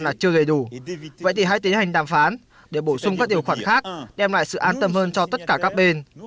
là chưa đầy đủ vậy thì hãy tiến hành đàm phán để bổ sung các điều khoản khác đem lại sự an tâm hơn cho tất cả các bên